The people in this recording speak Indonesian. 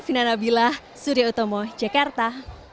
fina nabilah surya utomo jakarta